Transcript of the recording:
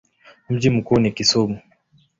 Mji mkuu ni Kisumu.